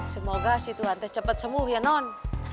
semoga si tuhan deh cepet sembuh ya non